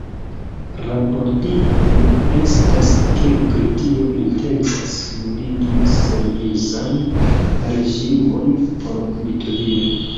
Raportite estas, ke Britio intencas nuligi senvizan reĝimon por Litovio.